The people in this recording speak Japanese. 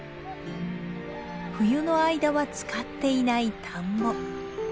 冬の間は使っていない田んぼ。